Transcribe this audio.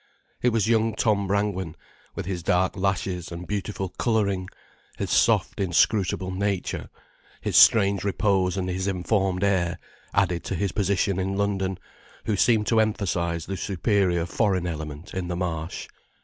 It was young Tom Brangwen, with his dark lashes and beautiful colouring, his soft, inscrutable nature, his strange repose and his informed air, added to his position in London, who seemed to emphasize the superior foreign element in the Marsh.